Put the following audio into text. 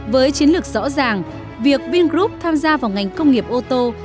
với chiến lược rõ ràng việc vingroup tham gia vào ngành công nghiệp ô tô